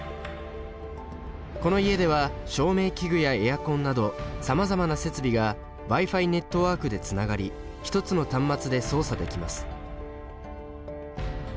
この家では照明器具やエアコンなどさまざまな設備がＷｉ−Ｆｉネットワークでつながり一つの端末で操作できます。